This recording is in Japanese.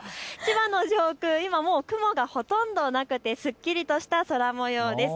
千葉の上空、今雲がほとんどなくてすっきりとした空もようです。